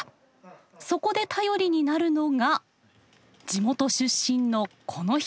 そこで頼りになるのが地元出身のこの人。